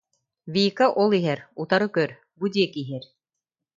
Вика ол иһэр, утары көр, бу диэки иһэр